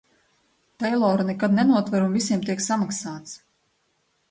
Teiloru nekad nenotver, un visiem tiek samaksāts!